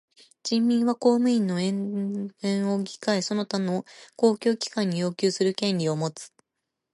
人民は公務員の罷免を議会その他の公共機関に要求する権利をもつ。